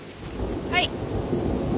はい。